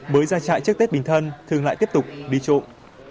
bới ra chạy trước tết bình thân thương lại tiếp tục đi trộm